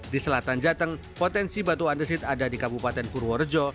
di selatan jateng potensi batu andesit ada di kabupaten purworejo